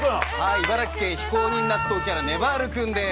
茨城県非公認納豆キャラねばる君です。